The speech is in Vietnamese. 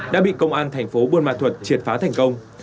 đã bị công an thành phố buôn ma thuật triệt phá thành công